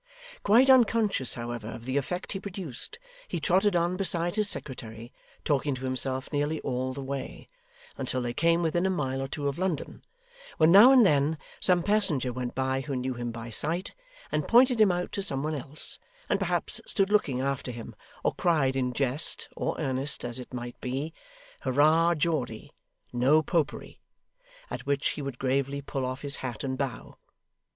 Quite unconscious, however, of the effect he produced, he trotted on beside his secretary, talking to himself nearly all the way, until they came within a mile or two of London, when now and then some passenger went by who knew him by sight, and pointed him out to some one else, and perhaps stood looking after him, or cried in jest or earnest as it might be, 'Hurrah Geordie! No Popery!' At which he would gravely pull off his hat, and bow.